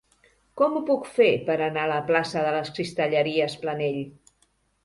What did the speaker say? Com ho puc fer per anar a la plaça de les Cristalleries Planell?